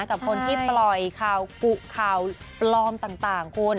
กับคนที่ปล่อยข่าวกุข่าวปลอมต่างคุณ